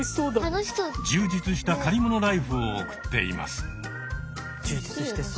充実した借りものライフを送っています。